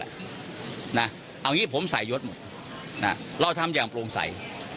เอาอย่างนี้ผมใส่ยศหมดเราทำอย่างโปร่งใส